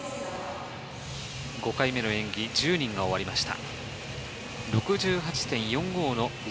５回目の演技、１０人が終わりました。